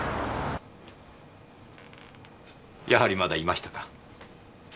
やはりまだいましたか。